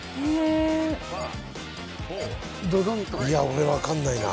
俺分かんないな。